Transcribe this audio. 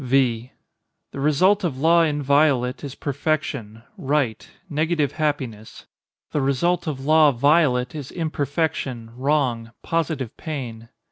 V. The result of law inviolate is perfection—right—negative happiness. The result of law violate is imperfection, wrong, positive pain.